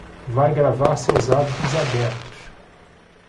Vai gravar seus hábitos abertos